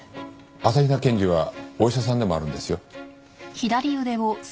朝日奈検事はお医者さんでもあるんですよ。